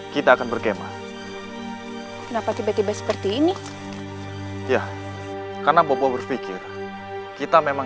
tidak ada yang perlu kamu sampaikan